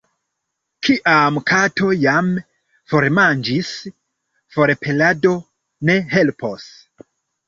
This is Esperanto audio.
Kiam kato jam formanĝis, forpelado ne helpos.